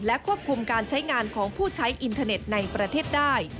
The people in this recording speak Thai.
ควบคุมการใช้งานของผู้ใช้อินเทอร์เน็ตในประเทศได้